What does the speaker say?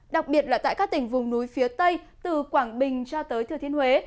đặc biệt là tại các tỉnh vùng núi phía tây từ quảng bình cho tới thừa thiên huế